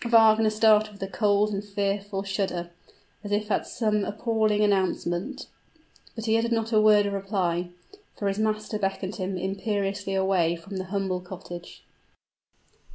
Wagner started with a cold and fearful shudder as if at some appalling announcement; but he uttered not a word of reply for his master beckoned him imperiously away from the humble cottage.